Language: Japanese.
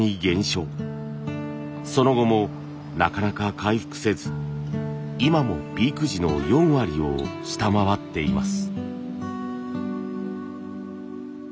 その後もなかなか回復せず今もピーク時の４割を下回っています。